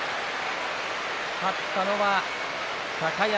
勝ったのは高安